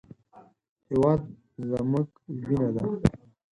هېواد زموږ وینه ده